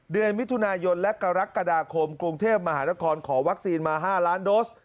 เดือนมิถุนายนและกรกฎาคมกรุงเทพมหานครขอวัคซีนมา๕ล้านโดส